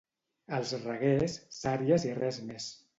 Als Reguers, sàries i res més.